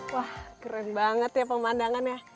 wah keren banget ya pemandangannya